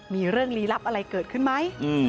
มีเรื่องลี้ลับอะไรเกิดขึ้นไหม